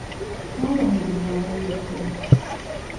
Twawambibwa abayeekera.